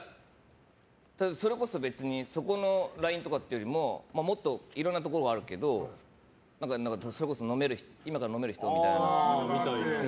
それこそ、そこのＬＩＮＥとかっていうよりももっといろんなところがあるけどそれこそ今から飲める人みたいな。